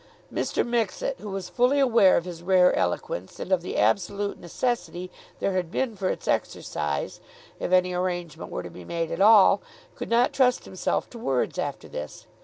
Mr. Mixet, who was fully aware of his rare eloquence and of the absolute necessity there had been for its exercise if any arrangement were to be made at all, could not trust himself to words after this.